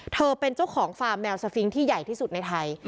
เธอเป็นเจ้าของฟาร์มแมวสฟิงค์ที่ใหญ่ที่สุดในไทย